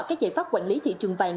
các giải pháp quản lý thị trường vàng